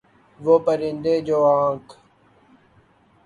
وہ پرندے جو آنکھ